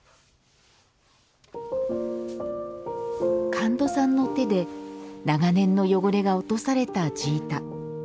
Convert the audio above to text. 神門さんの手で長年の汚れが落とされた地板。